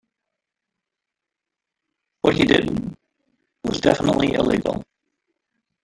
What he did was definitively illegal.